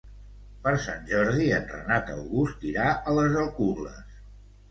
Per Sant Jordi en Renat August irà a les Alcubles.